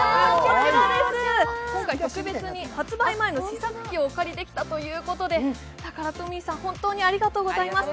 こちらです、今回特別に発売前の試作機をお借りできたということでタカラトミーさん、本当にありがとうございます。